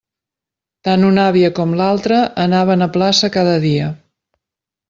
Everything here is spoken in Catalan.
Tant una àvia com l'altra anaven a plaça cada dia.